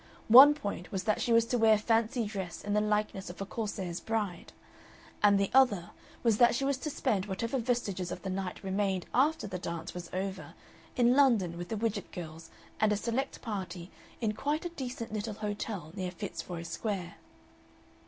One point was that she was to wear fancy dress in the likeness of a Corsair's bride, and the other was that she was to spend whatever vestiges of the night remained after the dance was over in London with the Widgett girls and a select party in "quite a decent little hotel" near Fitzroy Square.